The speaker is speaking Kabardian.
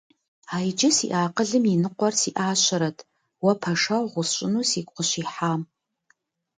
А иджы сиӏэ акъылым и ныкъуэр сиӏащэрэт уэ пэшэгъу усщӏыну сигу къыщихьам.